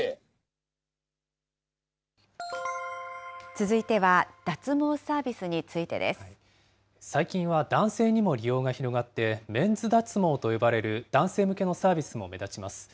続いては、脱毛サービスについてです。最近は男性にも利用が広がって、メンズ脱毛と呼ばれる男性向けのサービスも目立ちます。